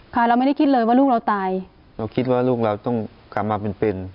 เราไม่ได้คิดเลยว่าลูกเราตายเราคิดว่าลูกเราต้องกลับมาเป็นเป็น